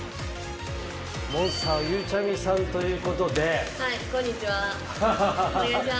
モンスターはゆうちゃみさんという事で。